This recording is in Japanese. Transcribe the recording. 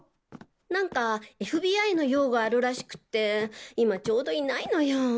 なんかＦＢＩの用があるらしくて今ちょうどいないのよ。